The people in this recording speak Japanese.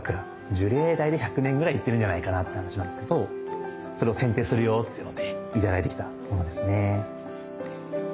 樹齢大体１００年ぐらいいってるんじゃないかなって話なんですけどそれを剪定するよっていうので頂いてきたものですね。